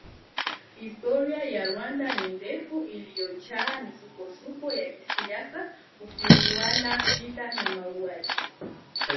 Historia ya Rwanda ni ndefu iliyojaa misukosuko ya kisiasa kupinduana vita na mauaji